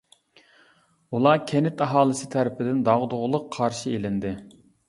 ئۇلار كەنت ئاھالىسى تەرىپىدىن داغدۇغىلىق قارشى ئېلىندى.